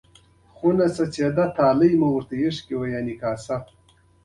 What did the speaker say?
دښته زړور انسان غواړي.